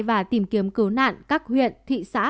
và tìm kiếm cố nạn các huyện thị xã